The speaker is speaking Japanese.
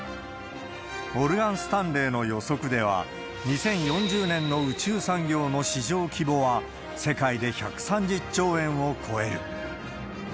モルガン・スタンレーの予測では、２０４０年の宇宙産業の市場規模は世界で１３０兆円を超える。